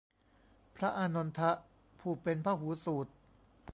พระอานนทะ ผู้เป็นพหูสูต